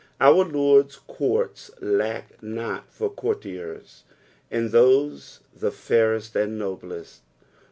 Our Ixird'a courts lack not for courtiers, and those the fairest and noblest.